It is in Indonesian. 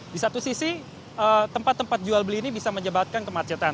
di satu sisi tempat tempat jual beli ini bisa menyebabkan kemacetan